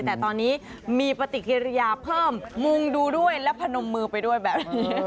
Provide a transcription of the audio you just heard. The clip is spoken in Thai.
แต่ตอนนี้มีปฏิกิริยาเพิ่มมุงดูด้วยและพนมมือไปด้วยแบบนี้